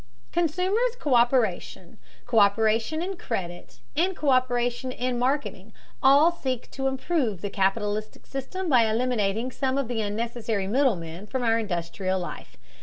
Consumers' co÷peration, co÷peration in credit, and co÷peration in marketing all seek to improve the capitalistic system by eliminating some of the unnecessary middlemen from our industrial life.